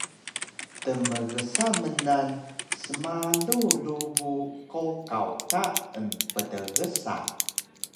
tmgsa mnan smalu lubug qowqaw ka emptgsa